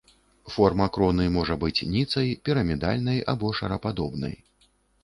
Форма кроны можа быць ніцай, пірамідальнай або шарападобнай.